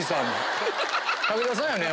・武田さんやね